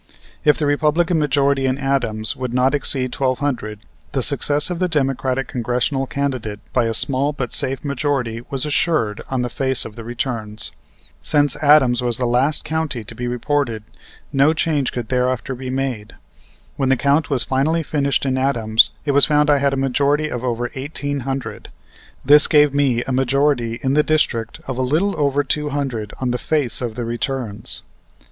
If the Republican majority in Adams would not exceed twelve hundred, the success of the Democratic Congressional candidate by a small but safe majority was assured on the face of the returns. Since Adams was the last county to be reported, no change could thereafter be made. When the count was finally finished in Adams it was found I had a majority of over eighteen hundred. This gave me a majority in the district of a little over two hundred on the face of the returns.